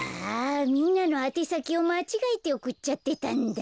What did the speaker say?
みんなのあてさきをまちがえておくっちゃってたんだ。